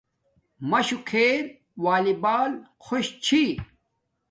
مَشُݸ کھݵل وݳلݵبݳل خݸش چھݵ.